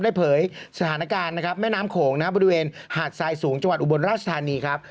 ได้เผยสถานการณ์แม่น้ำโขงบริเวณหาดทรายสูงจังหวัดอุบลราชธานีครับ